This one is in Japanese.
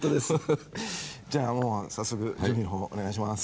じゃあもう早速準備の方をお願いします。